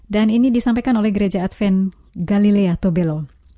dan ini disampaikan oleh gereja advent galilea tobelo